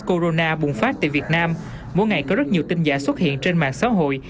corona bùng phát tại việt nam mỗi ngày có rất nhiều tin giả xuất hiện trên mạng xã hội